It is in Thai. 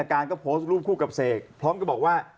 การก็โพสต์รูปคู่กับเสกพร้อมกับบอกว่า